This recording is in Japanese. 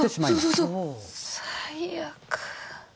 うそ、うそ、うそ、最悪。